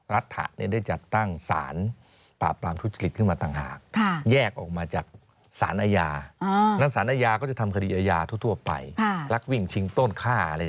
รัฐะเนี่ยได้จัดตั้งสารปลาปลาทุจริตขึ้นมาต่างหาก